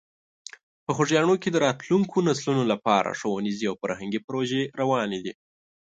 په خوږیاڼي کې د راتلونکو نسلونو لپاره ښوونیزې او فرهنګي پروژې روانې دي.